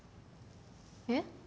えっ？